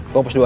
koks dua ya